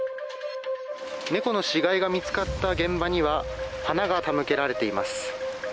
猫の死骸が見つかった現場には花が手向けられています。